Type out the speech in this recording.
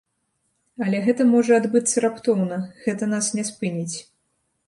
Але гэта можа адбыцца раптоўна, гэта нас не спыніць.